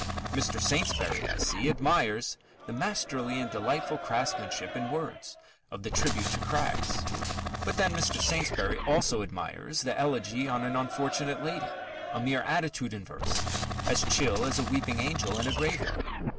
Mr. Saintsbury, I see, admires "the masterly and delightful craftsmanship in words" of the tribute to Craggs; but then Mr. Saintsbury also admires the Elegy on an Unfortunate Lady a mere attitude in verse, as chill as a weeping angel in a graveyard.